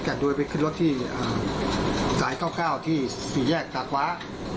กัดด้วยไปขึ้นรถที่สาย๙๙ที่สี่แยกตากว้า